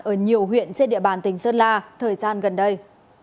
ở nhiều huyện trên địa bàn tỉnh sơn la thời gian gần đây